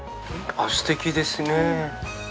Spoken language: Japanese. あっすてきですね。